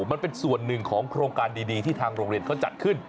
มันเป็นส่วนหนึ่งของโครงการดีที่ทางโรงเรียนเขาจัดขึ้น